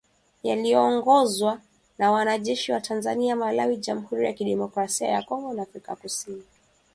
Yaliyoongozwa na wanajeshi wa Tanzania, Malawi, Jamhuri ya kidemokrasia ya Kongo na Afrika kusini.